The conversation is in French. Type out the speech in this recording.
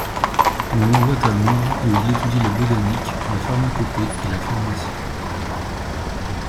On l'envoie à Londres où il étudie la botanique, la pharmacopée et la pharmacie.